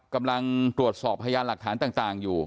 กำลังตรวจสอบพยานหลักฐานต่างอยู่